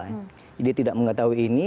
jadi dia tidak mengetahui ini